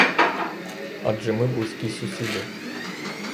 Адже ми близькі сусіди.